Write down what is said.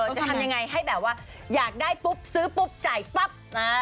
จะทำยังไงให้แบบว่าอยากได้ปุ๊บซื้อปุ๊บจ่ายปั๊บ